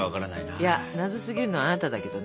いや謎すぎるのはあなただけどね。